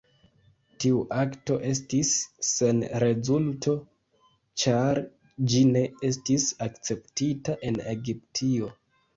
Tiu akto estis sen rezulto, ĉar ĝi ne estis akceptita en Egiptio.